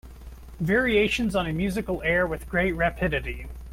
Variations on a musical air With great rapidity.